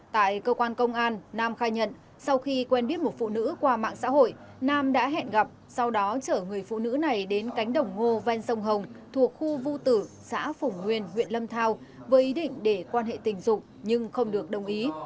tại cơ quan công an nam khai nhận sau khi quen biết một phụ nữ qua mạng xã hội nam đã hẹn gặp sau đó chở người phụ nữ này đến cánh đồng ngô ven sông hồng thuộc khu vu tử xã phủng nguyên huyện lâm thao với ý định để quan hệ tình dục nhưng không được đồng ý